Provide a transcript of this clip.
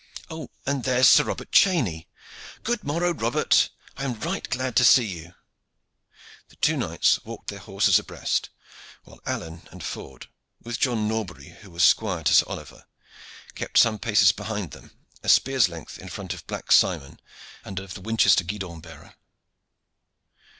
And there is Sir Robert Cheney. Good morrow, Robert! I am right glad to see you." The two knights walked their horses abreast, while Alleyne and Ford, with John Norbury, who was squire to Sir Oliver, kept some paces behind them, a spear's length in front of Black Simon and of the Winchester guidon bearer.